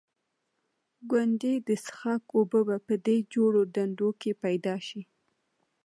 ګوندې د څښاک اوبه په دې جوړو ډنډوکو کې پیدا شي.